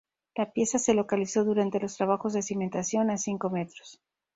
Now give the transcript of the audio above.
La pieza se localizó durante los trabajos de cimentación, a cinco metros.